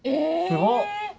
すごっ。